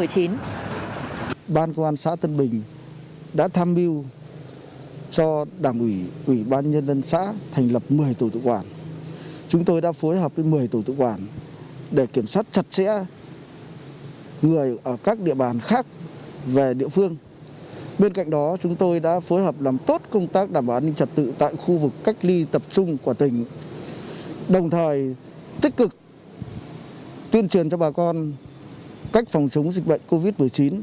phối hợp với công an thành phố và lực lượng quân đội bảo đảm an ninh trẻ tự khu vực cách ly tập trung tích cực chủ động tham gia phòng chống dịch bệnh covid một mươi chín